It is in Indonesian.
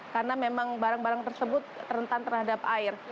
karena memang barang barang tersebut rentan terhadap air